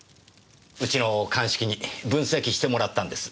うちの鑑識に分析してもらったんです。